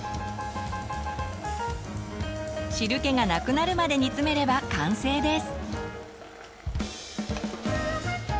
汁けがなくなるまで煮つめれば完成です。